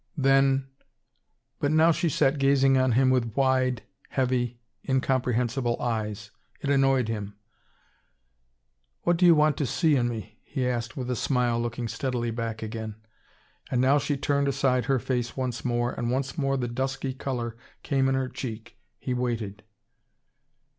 "Then ?" But now she sat gazing on him with wide, heavy, incomprehensible eyes. It annoyed him. "What do you want to see in me?" he asked, with a smile, looking steadily back again. And now she turned aside her face once more, and once more the dusky colour came in her cheek. He waited.